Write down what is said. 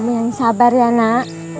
yang sabar ya nak